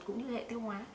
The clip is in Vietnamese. cũng như hệ tiêu hóa